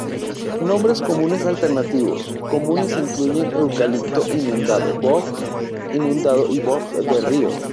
Nombres comunes alternativos comunes incluyen eucalipto inundado, boj inundado y boj de río.